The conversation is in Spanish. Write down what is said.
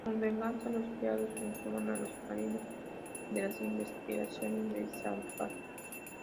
Como venganza, los criados informan a los maridos de las intenciones de Falstaff.